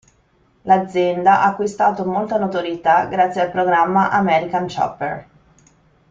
L'azienda ha acquistato molta notorietà grazie al programma "American Chopper".